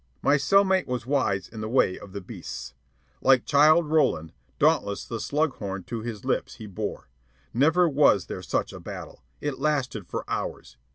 My cell mate was wise in the ways of the beasts. Like Childe Roland, dauntless the slug horn to his lips he bore. Never was there such a battle. It lasted for hours.